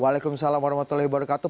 waalaikumsalam warahmatullahi wabarakatuh